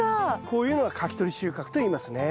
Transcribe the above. こういうのがかき取り収穫といいますね。